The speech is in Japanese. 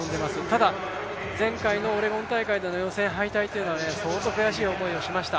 ただ、前回のオレゴン大会での予選敗退というのは相当悔しい思いをしました。